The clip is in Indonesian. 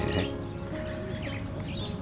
kalau aku deket kamu